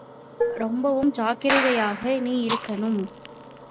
ரொம்பவும் ஜாக்கிரதையாக நீ இருக்கணும்.